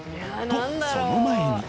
［とその前に］